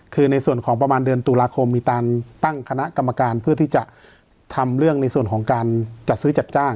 คือในส่วนของประมาณเดือนตุลาคมมีการตั้งคณะกรรมการเพื่อที่จะทำเรื่องในส่วนของการจัดซื้อจัดจ้าง